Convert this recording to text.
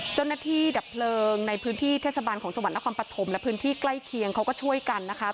ดับเพลิงในพื้นที่เทศบาลของจังหวัดนครปฐมและพื้นที่ใกล้เคียงเขาก็ช่วยกันนะคะ